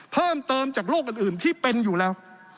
เพิ่มเติมจากโรคอื่นที่เป็นอยู่แล้ว